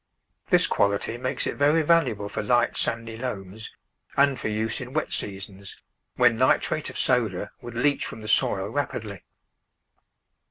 This quality makes it very valuable for light, sandy loams and for use in wet seasons, when nitrate of soda would leach from the soil rapidly.